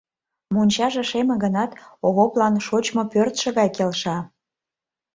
Мончаже шеме гынат, Овоплан шочмо пӧртшӧ гай келша.